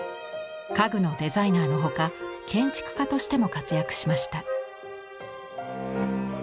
家具のデザイナーの他建築家としても活躍しました。